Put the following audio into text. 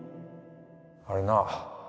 あれな